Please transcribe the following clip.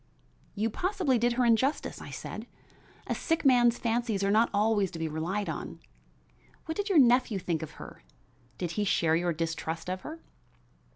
"You possibly did her injustice," I said. "A sick man's fancies are not always to be relied on. What did your nephew think of her? Did he share your distrust of her?"